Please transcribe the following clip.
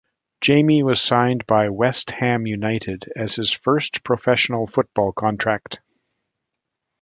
Jamie was signed by West Ham United as his first professional football contract.